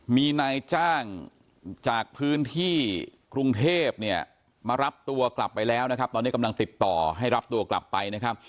มีนายจ้างจากพื้นที่กรุงเทพเนี่ยมารับตัวกลับไปแล้วนะครับตอนนี้กำลังติดต่อให้รับตัวกลับไปนะครับ